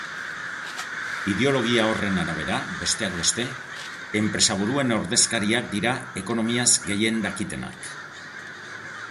Ideologia horren arabera, besteak beste, enpresaburuen ordezkariak dira ekonomiaz gehien dakitenak.